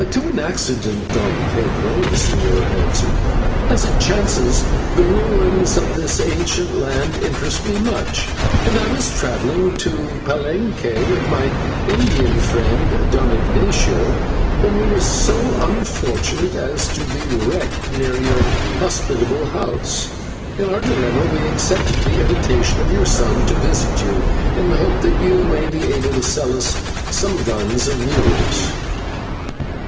"To an accident, Don Pedro," the señor answered. "As it chances, the ruins of this ancient land interest me much, and I was travelling to Palenque with my Indian friend, Don Ignatio, when we were so unfortunate as to be wrecked near your hospitable house. In our dilemma we accepted the invitation of your son to visit you, in the hope that you may be able to sell us some guns and mules."